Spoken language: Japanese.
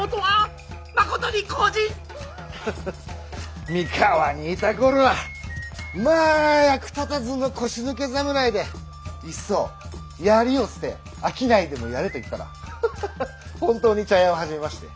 ハハッ三河にいた頃はまあ役立たずの腰抜け侍でいっそ槍を捨て商いでもやれと言ったらハハハッ本当に茶屋を始めまして。